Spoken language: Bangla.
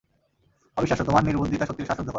অবিশ্বাস্য, তোমার নির্বুদ্ধিতা সত্যিই শ্বাসরুদ্ধকর।